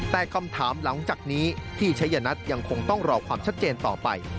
แต่คำถามหลังจากนี้พี่ชัยนัทยังคงต้องรอความชัดเจนต่อไป